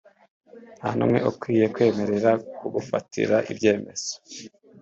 nta n’umwe ukwiye kwemerera kugufatira ibyemezo